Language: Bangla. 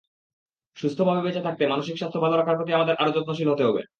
সুস্থভাবে বেঁচে থাকতে মানসিক স্বাস্থ্য ভাল রাখার প্রতি আমাদের আরও যত্নশীল হতে হবে।